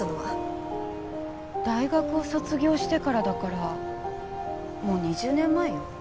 大学を卒業してからだからもう２０年前よ。